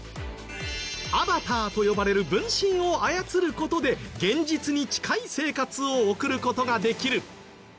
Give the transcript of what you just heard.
アバターと呼ばれる分身を操る事で現実に近い生活を送る事ができる。